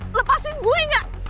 lepasin gue gak